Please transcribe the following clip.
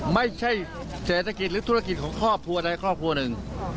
ไม่ใช่เศรษฐกิจหรือธุรกิจของครอบครัวใดครอบครัวหนึ่ง